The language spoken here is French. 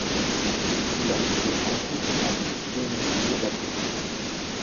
Il a été en couple avec Demi Lovato.